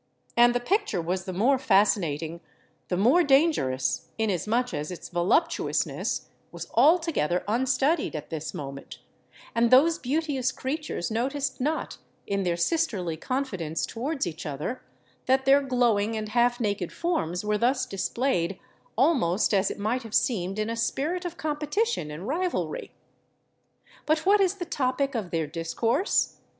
And the picture was the more fascinating—the more dangerous, inasmuch as its voluptuousness was altogether unstudied at this moment, and those beauteous creatures noticed not, in their sisterly confidence towards each other, that their glowing and half naked forms were thus displayed almost as it might have seemed in a spirit of competition and rivalry. But what is the topic of their discourse?